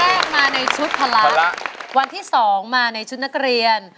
วันแรกมาในชุดฮัลละวันที่สองมาในชุดนักเรียน